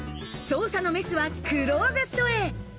捜査のメスはクローゼットへ。